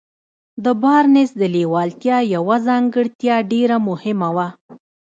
د بارنس د لېوالتیا يوه ځانګړتيا ډېره مهمه وه.